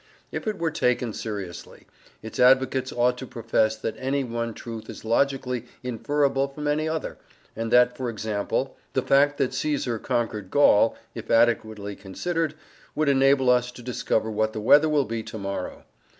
If it were taken seriously, its advocates ought to profess that any one truth is logically inferable from any other, and that, for example, the fact that Caesar conquered Gaul, if adequately considered, would enable us to discover what the weather will be to morrow.